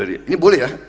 ini boleh ya